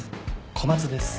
小松です。